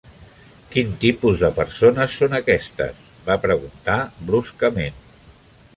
"Quin tipus de persones són aquestes?" va preguntar bruscament.